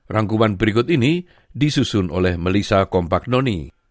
rangkuman berikut ini disusun oleh melissa kompagnoni